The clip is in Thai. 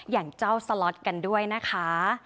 อย่างเจ้าสล็อตกันด้วยนะคะ